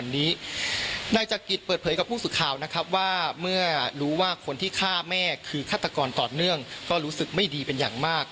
นายจักริตเปิดเผยกับผู้สื่อข่าวนะครับว่าเมื่อรู้ว่าคนที่ฆ่าแม่คือฆาตกรต่อเนื่องก็รู้สึกไม่ดีเป็นอย่างมาก